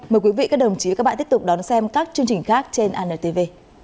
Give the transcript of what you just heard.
mời quý vị các đồng chí và các bạn tiếp tục đón xem các chương trình khác trên antv